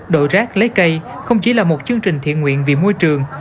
đội rác lấy cây không chỉ là một chương trình thiện nguyện vì môi trường